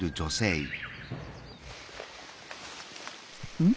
うん？